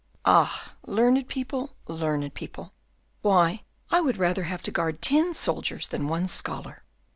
"Ah, learned people, learned people! Why, I would rather have to guard ten soldiers than one scholar.